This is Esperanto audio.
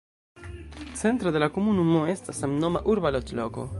Centro de la komunumo estas samnoma urba loĝloko.